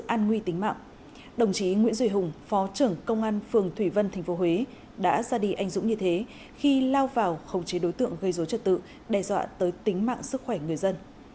an nguy tính mạng đồng chí nguyễn duy hùng phó trưởng công an phường thủy vân tp huế đã ra đi anh dũng như thế khi lao vào khống chế đối tượng gây dối trật tự đe dọa tới tính mạng sức khỏe người dân